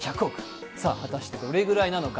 果たしてどれくらいなのか。